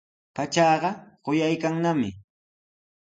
Pachaqa quyaykannami.